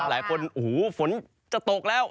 หลายคนฝนจะตกแล้ว